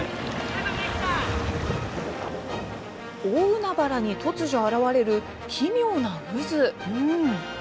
大海原に突如、現れる奇妙な渦。